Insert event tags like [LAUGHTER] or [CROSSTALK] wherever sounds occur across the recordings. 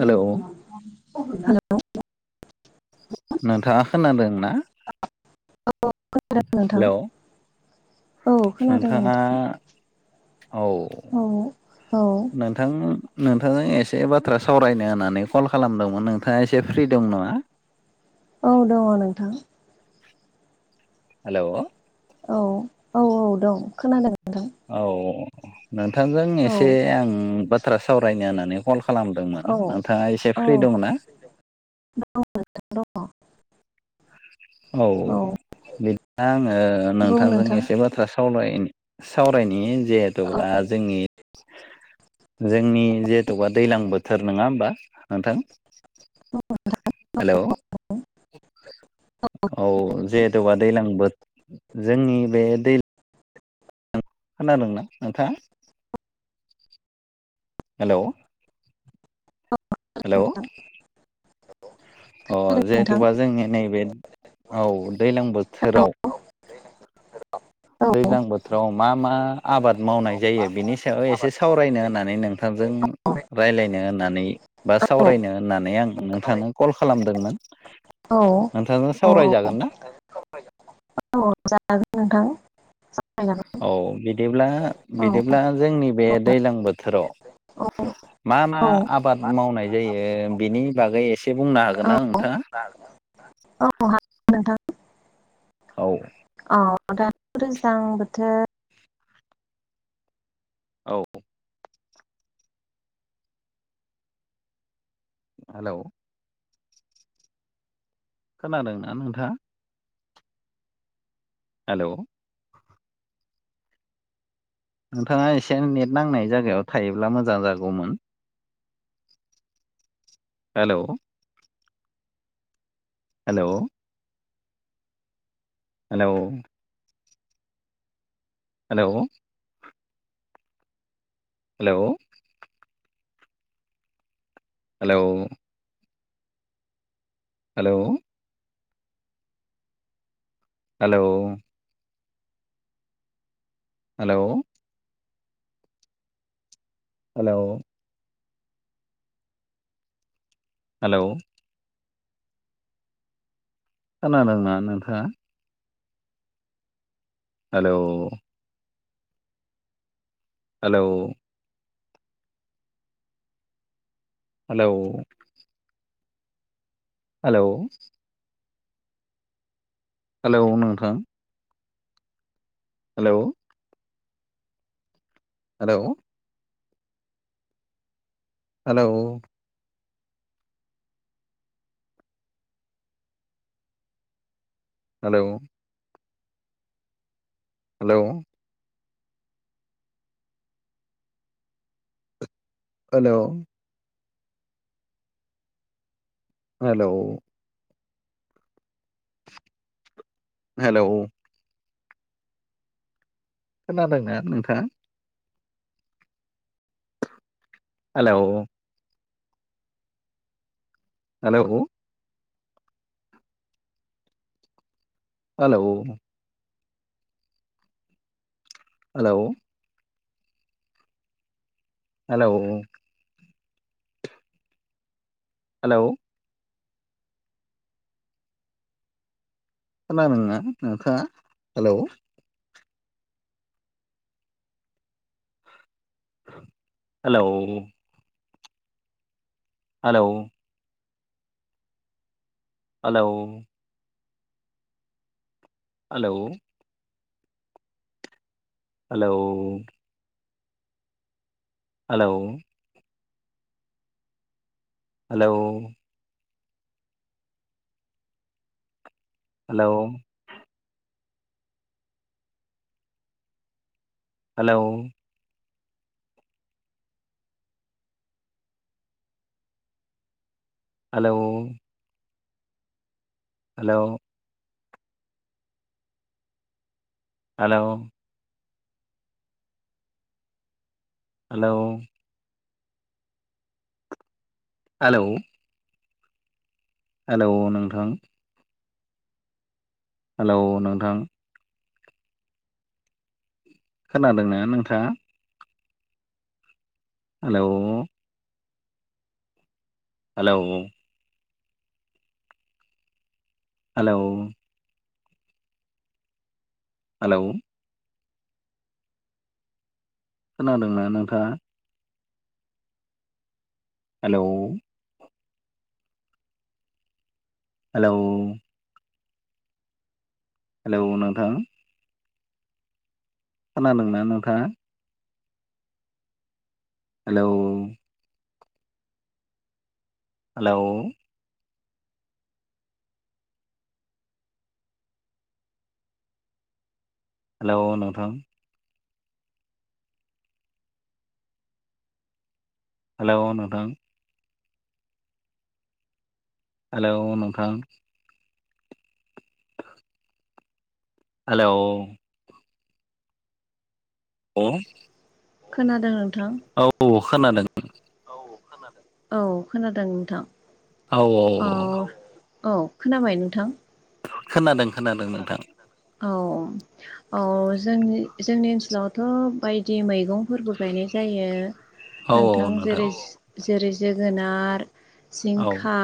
Hello नोंथाङा खोनादों ना? औ खोनादों नोंथां। हेलौ नोंथाङा औ औ औ न नोंथां नोंथांजों एसे बाथ्रा सावरायनो होननानै कल खालामदोंमोन नोंथाङा एसे फ्रि दं नङा। औ दङ नोंथां। हेल'। औ औ औ दं खोनादों। नोंथां औ नोंथांजों औ एसे आं बा थ्रा सावरायनो होननानै कल खालामदोंमोन औ नोंथाङा एसे औ फ्रि दंना? [UNINTELLIGIBLE] औ बिदि आङो बुं नोंथांजों नोंथां एसे बाथ्रा साव सावराय सावरायनि औ जिहेथब्ला जोंनि जोंनि जिहेथ'बा दैल्लां बोथोर नङा होमबा नोंथां? हेलौ [UNINTELLIGIBLE] औ जिहेथबा दैज्लां बो जोंनि बे दैलां खोनादोंना नोंथाङा? हेल। ' हेल'। नोंथां अ खोनादों नोंथां जिहेथुबा जोंनि नैबे औ दैज्लां औ बोथोराव। औ औ दैज्लां बोथोराव मा मा आबाद मावनाय जायो बिनि सायाव एसे सावरायनो होननानै नोंथां नोंथजों राय्लायनो होननानै बा सावरायनो होननानै आं नोंथांनो कल खालामदोंमोन नोंथांजों सावरायजागोन ना? जागोन नोंथां। जागोन औ बिदिब्ला औ बिदिब्ला जोंनि बे दैज्लां बोथोराव। मा मा औ आबाद मावनाय जायो बेनि बागै एसे बुंनो हागोन हागोन ना नोंथाङा? [UNINTELLIGIBLE] औ। औ दान दैज्लां बोथोर। औ। हेलौ। खोनादोंना नोंथाङा? हेलौ। नोंथाङा एसे नेट नांनाय जायगायाव थायोब्ला मोजां जागौमोन। Hello. Hello hello hello. Hello. Hello. Hello. Hello. Hello. Hello. Hello. खोना दोंना नोंथाङा? Hello. Hello. Hello. Hello. Hello नोंथां। Hello. Hello. Hello. Hello. Hello. Hello. Hello. Hello खोनादोंना नोंथां? हेल' हेल' हेल' हेल' हेल' हेल'? खोनादोंना नोंथाङा hello? Hello hello. Hello. Hello. Hello. Hello. Hello. Hello. Hello. Hello. Hello hello? Hello? Hello hello नोंथां? Hello नोंथां? खोनादोंना नोंथांङा? Hello? Hello hello? Hello? खोनांदोंना नोंथांङा? हेलौ? हेलौ? हेलौ नोंथां? खोनादोंना नोंथांङा? हेलौ? हेलौ? हेल नोंथां? हेल' नोंथां? हेलौ नोंथां? हेलौ' लौ खोनादों नोंथां। औ औ खोनादों। औ खोनादों औ खोनादों नोंथां औ औ औ खोनाबाय नोंथां? खोनादों खोनादों नोंथां। औ औ जोंनि जोंनि ओनसोलावथ बायदि मैगंफोरबो गायनाय जायो। औ औ नोंथां जेरै जेरै जोगोनार औ जिंखा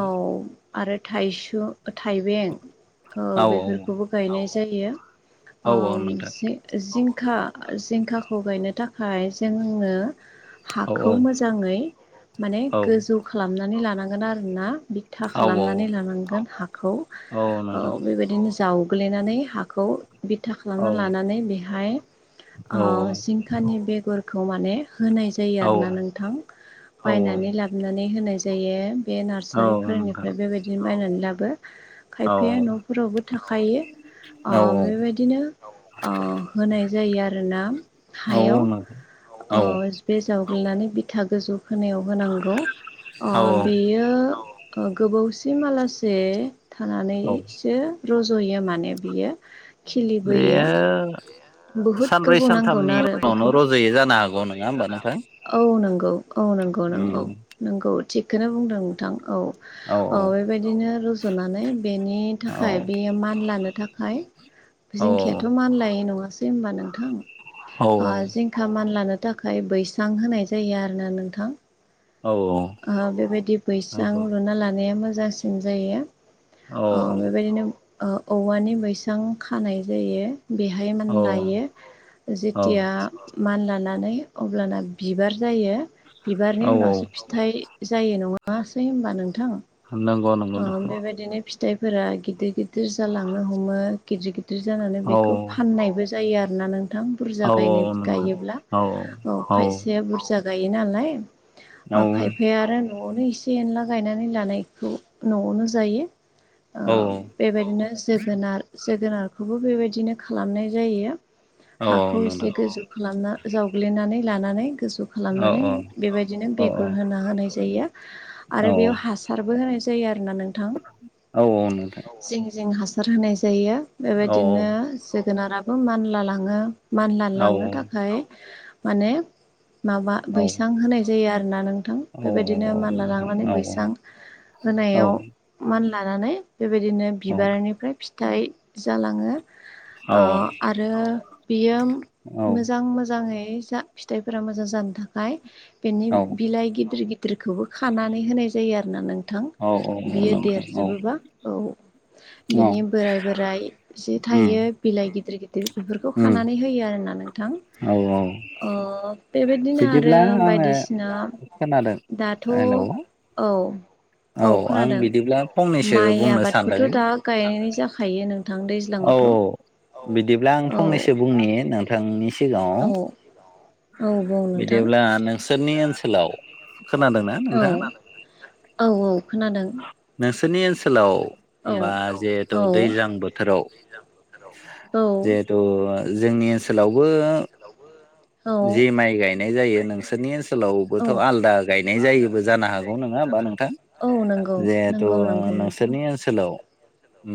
औ आरो थाइसु थाइबें औ बेफोरखौबो गायनाय जायो औ सै जिंखा जिंखाखौ गायनो थाखाय जोंनो औ औ हाखौ मोजांङै माने औ गोजौ खालामनानै लानांगोन आरोना बिथा औ औ खालामनानै लानांगोन हाखौ औ नोंथां बेबायदिनो जावगलायनानै हाखौ बिथा औ खालामना लानानै बेहायं खानि बेगरखौ माने होनाय जायो आरोना औ नोंथां औ नोंथां औ बायनानै ला हाबनानै होनाय जायो बे नारसारिफोरनिफ्राय बेबायदिनो बायनानै लाबो खायफाया नफोरावबो थाखायो औ औ बेबायदिनो होनाय जायो आरोना हायाव अ बे जावग्लिनानै बिथा गोजौ फोनायाव होनांगौ अ बियो गोबावसि मालासे औ थानानैसो रजयो माने बियो खिलिबोयो बेयो बहुद सानब्रै गोबाव नांगौमोन सानथामनि आरो उनावनो बेखौ रज'यो जानो हागौ नङा होमबा नोंथां औ नंगौ। औ नोंगौ नोंगौ उम नोनगौ थिगखौनो बुंदों नोंथां औ औ बे बेबायदिनो रजनानै बेनि औ थाखाय बेयो मान लानो थाखाय। औ जिंखिायाथ मानलायै नंङासै होमबा नोंथां औ जिंखा मान लानो थाखाय बैसां होनाय जायो आरो ना नोंथां औ बेबायदि बैसां लुना लानाया मोजांसिन जायो औ बेबायदिनो औवानि बैसां खानाय जायो बेहाय औ नायो औ औ जेथिया मान लानानै अब्लाना बिबार जायो औ बिबारनि उनावसो थाय जायो नङासै होनबा नोंथां? होननांग नों ओ बेबायदिनो फिथाइफोरा गिदिर-गिदिर जालांनो हमो गिदिर-गिदिर गिदिर जानानै औ बेखौ फाननायबो जायो आरोना नोंथां। औ बुरजा गायनो औ नोंथां गायोब्ला औ औ खायसेया बुरजा गायो नालाय। औ ओ खायफाया आरो न'आवनो एसे एनला गायनानै लानायखौ न'आवनो जायो। ओ औ। बेबायदिनो जोगोनार जोगोनारखौबो बेबायदिनो खालामनाय जायो। औ औ हाखौ एसे नोंथां गोजौ खालामना जावग्लिनानै लानानै गोजौ औ खालामनानै औ बेबायदिनो बेगर होना होनाय जायो औ आरो बेयाव हासारबो होनाय जायो आरोना नोंथां। औ नोंथां जिं-जिं हासार होनाय जायो। औ बेबायदिनो जोगोनाराबो मानला लाङो मानला लांनो थाखाय माने माबा औ बैसां होनाय जायो आरोना नोंथां औ औ औ बेबायदिनो मालला नोंथां लांनानै औ बैसां होनायाव मानलानानै बेबायदिनो बिबारनिफ्राय फिथाइ जालाङो। उम ओ आरो बियो मोजां-मोजाङै जा फिथाइफोरा मोजां जानो थाखाय बेनि बिलाइ गिदिर-गिद दिरखौबो खानानै होनाय जायो आरोना नोंथां बियो देरजोबोबा औ बिनि बोराइ बोराइ जि थायो बिलाइ गिदिर-गिदिर दिर बेफोरखौ खानानै होयो आरोना नोंथां। औ-औ। अ बेबायदिनो आरो आङो बायदिसिना खोनादों दाथ' हेलौ औ औ। औ आं खोनादों बिदिब्ला फंनैसो माइ बुंनो सानदों आबादखौथ' दा गायनाय जाखायो नोंथां दै औ-औ बिदिब्ला आं फंनैसो बुंनि नों नोंथांनि सिगाङाव औ औ बुं नोंथां बिदिब्ला नों सोरनि ओनसोलाव खोनादोंना? औ। नोंथां औ-औ खोनादों। नोंसोरनि ओनसोलाव औ बा जिहेथु औ दैज्लां बोथोराव जिहेथु जोंनि ओनसोलावबो औ जि माइ गायनाय जायो नोंसोरनि ओनसोलावबोथ' आलादा गायनाय जायोबो जानो हाग गौ नङा होनबा नोंथां। जिहेथु नंगौ नोंसोरनि ओनसो सोलाव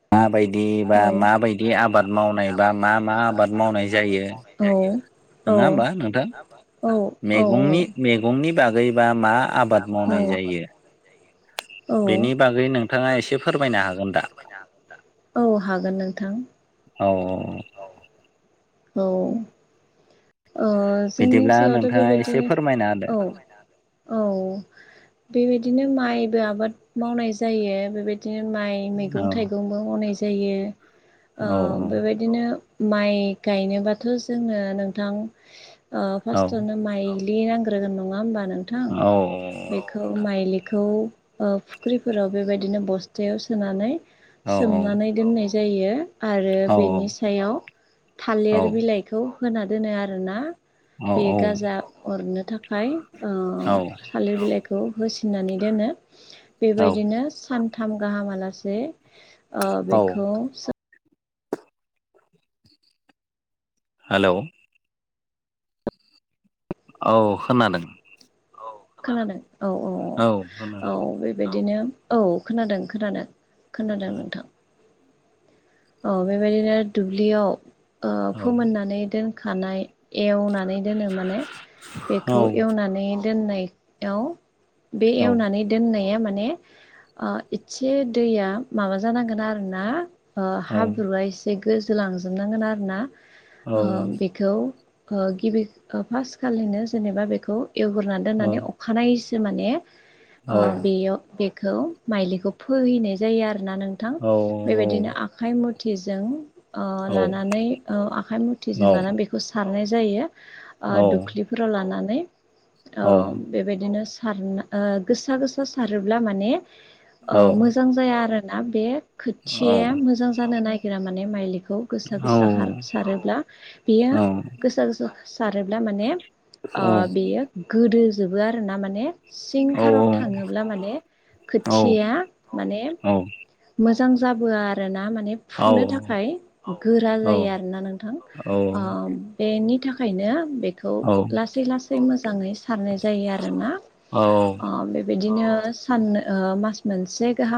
मा बाय दि‌ बा मा बायदि आबाद मावनाय बा मा मा आबाद मावनाय जायो। औ औ नोङा होमबा नोंथां। औ। औ औ मैगंनि-मैगंनि बागैबा मा आबाद मावनाय जायो औ बेनि बागै नोंथाङा एसे फोरमायनो हागोन दा? औ हागोन नोंथां। औ। औ। ओ जोंनि बिदिब्ला ओनसोलावथ' नोंथाङा एसे बेबायदिनो फोरमायना औ। औ बेबायदिनो माइबो आबाद मावनाय जायो बेबायदि दिनो माइ मैगं थाइगंबो मावनाय जायो। ओ होदो औ बेबायदिनो माइ गायनोबाथ' जोङो नोंथां ओ औ फासथावनो माइ लि नांग्रोगोन नङा होमबा नोंथां? औ बेखौ मायलिखौ ओ फुख्रिफोराव बेबायदिनो बस्थायाव सोनानै औ सोमनानै दोननाय जायो। आरो औ बेनि सायाव थालेर बिलाइ खौ होना दोनो आरोना। औ बे गाजा हरनो थाखाय ओ औ थालिर बिलाइखौ होसिननानै दोनो औ बेबायदिनो सान थाम गाहाम आलासे ओ औ बेखौ सो हालौ औ खोनादों। खोनादों औ औ औ औ बेबायदिनो औ खोनादों खोनादों खोनादों नोंथां। औ बेबायदिनो दुब्लियाव ओ औ फोमोननानै दोनखानाय एवनानै दोनो माने औ बेखौ एवनानै दोननायाव बे औ एवनानै दोननाया माने ओ एसे दैया माबा जानांगोन आरो ना। ओ औ हाब्रुआ एसे गोजोलांजोबनांगोन आरो ना। ओ बेखौ ओ गिबि ओ फास खालिनो जेनेबा बेखौ एवग्रोना दोननानै अख खानायैसो माने औ ओ बेयाव बे खौ माइलिखौ फोहैनाय जायो आरोना नोंथां। औ बेबायदिनो आखाय मुथिजों ओ लानानै ओ आखाइ मुथिजों लानानै बेखौ सारनाय जायो। ओ दुख्लि फोराव लानानै ओम बेबायदिनो सारना ओ गोसा गोसा सारोब्ला माने ओ औ मोजां जाया आरोना बे औ खोथिया मोजां जानो नागिरा माने माइलिखौ गोसा औ गोसा खार सारोब्ला बेयो औ गोसा गोसा सारोब्ला माने ओ बेयो गोदो जोबो आर ना माने औ सिंथाराव थाङोब्ला माने औ खोथिया माने मोजां जाबोआ आरो ना माने फुनो औ थाखाय गोरा जायो आरोना नोंथां। औ ओम बेनि थाखायनो बेख खौ लासै लासै मोजाङै सारनाय जायो आरोना। औ ओ बे बिदिनो सान ओ मास मोनसे गाहाम